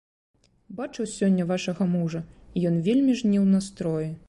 Бачыў сёння вашага мужа, і ён вельмі ж не ў настроі.